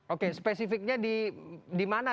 oke spesifiknya di mana